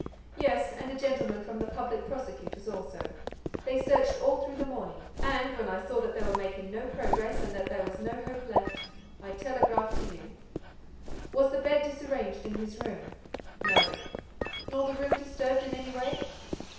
"Yes; and a gentleman from the public prosecutor's also. They searched all through the morning; and, when I saw that they were making no progress and that there was no hope left, I telegraphed to you." "Was the bed disarranged in his room?" "No." "Nor the room disturbed in any way?"